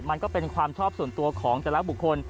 มันก็เป็นความชอบส่วนตัวของแต่ละบุคคล